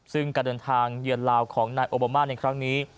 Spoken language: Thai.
ซึ่งการเดินทางเยือนลาวของนายโอบามาในครั้งนี้